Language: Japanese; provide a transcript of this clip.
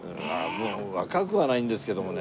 もう若くはないんですけどもね。